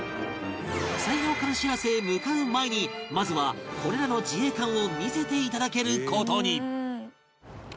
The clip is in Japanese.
砕氷艦「しらせ」へ向かう前にまずはこれらの自衛艦を見せて頂ける事に！